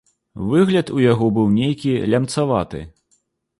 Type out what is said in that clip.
Выгляд у яго быў нейкі лямцаваты.